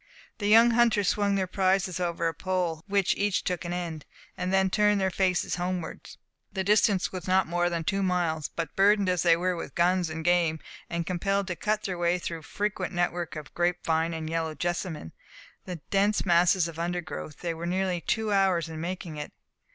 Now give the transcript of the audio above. The young hunters swung their prizes over a pole, of which each took an end, and then turned their faces homewards. The distance was not more than two miles, but burdened as they were with guns and game, and compelled to cut their way through frequent network of the grape vine and yellow jessamine, and dense masses of undergrowth, they were nearly two hours in making it.